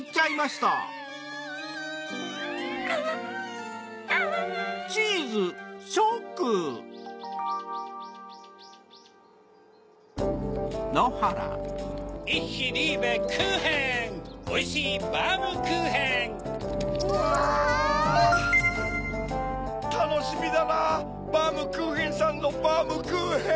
たのしみだなバームクーヘンさんのバームクーヘン。